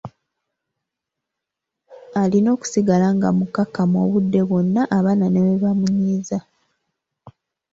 Alina okusigala nga mukakkamu obudde bwonna abaana ne bwe bamunyiiza.